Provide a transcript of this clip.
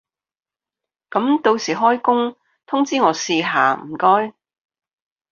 噉到時開工通知我試下唔該